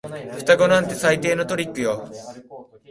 双子なんて最低のトリックですよ。